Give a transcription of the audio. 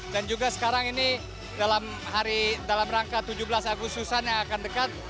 dan sekarang ini dalam rangka tujuh belas agustusan yang akan dekat